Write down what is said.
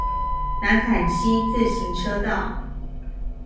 南崁溪自行車道